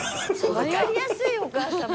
分かりやすいお母さま。